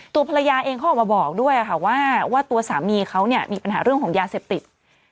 ตัวภรรยาเองเขาออกมาบอกด้วยค่ะว่าตัวสามีเขาเนี่ยมีปัญหาเรื่องของยาเสพติด